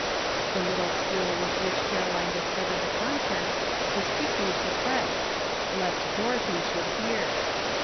The little squeal with which .Caroline discov ered the contents was quickly suppressed, lest Dorothy should hear.